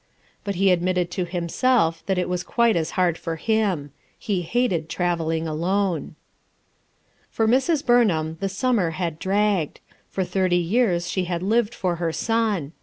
But he admitted to himself that it was quite as hard for him he hated travelling alone. For Mrs. Burnham the summer had dragged. For thirty years she had lived for her son.